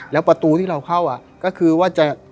แล้วประตูที่เราเข้าก็คือว่าจะ